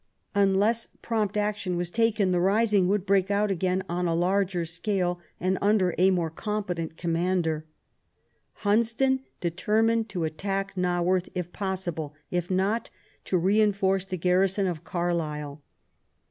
Unless prompt action were taken the rising would break out again, on a larger scale and under a more competent com mander. Hunsdon determined to attack Naworth, ELIZABETH AND MARY STUART. 121 if possible ; if not, to reinforce the garrison of Cadisle.